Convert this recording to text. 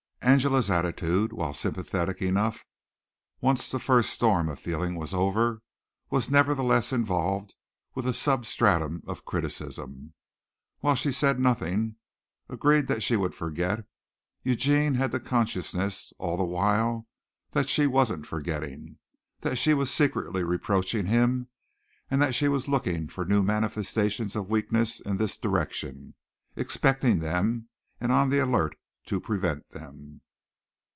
Angela's attitude, while sympathetic enough, once the first storm of feeling was over, was nevertheless involved with a substratum of criticism. While she said nothing, agreed that she would forget, Eugene had the consciousness all the while that she wasn't forgetting, that she was secretly reproaching him and that she was looking for new manifestations of weakness in this direction, expecting them and on the alert to prevent them.